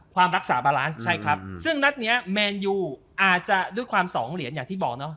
ความรักษาบาลานซ์ใช่ครับซึ่งนัดนี้แมนยูอาจจะด้วยความสองเหรียญอย่างที่บอกเนาะ